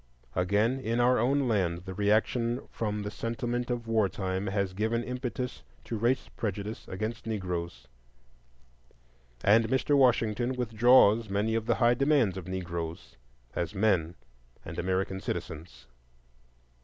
Again, in our own land, the reaction from the sentiment of war time has given impetus to race prejudice against Negroes, and Mr. Washington withdraws many of the high demands of Negroes as men and American citizens.